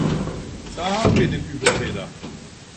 Da haben wir den Übeltäter.